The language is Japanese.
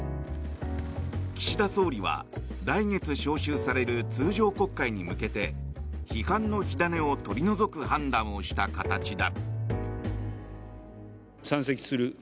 岸田総理は来月召集される通常国会に向けて批判の火種を取り除く判断をした形だ。